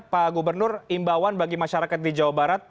pak gubernur imbauan bagi masyarakat di jawa barat